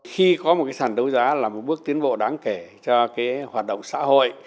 khi có một sàn đấu giá là một bước tiến bộ đáng kể cho hoạt động xã hội